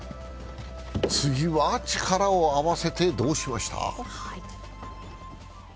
次は、力を合わせて、どうしました？